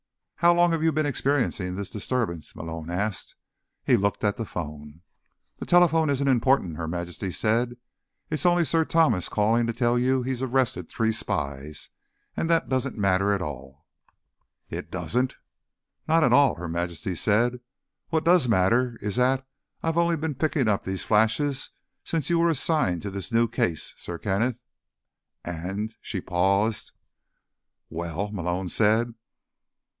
"How long have you been experiencing this disturbance?" Malone asked. He looked at the phone. "The telephone isn't important," Her Majesty said. "It's only Sir Thomas, calling to tell you he's arrested three spies, and that doesn't matter at all." "It doesn't?" "Not at all," Her Majesty said. "What does matter is that I've only been picking up these flashes since you were assigned to this new case, Sir Kenneth. And...." She paused. "Well?" Malone said.